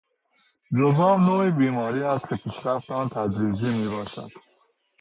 جذام نوعی بیماری است که پیشرفت آن تدریجی میباشد.